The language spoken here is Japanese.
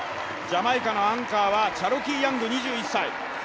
ジャマイカのアンカーはチャロキー・ヤング２１歳。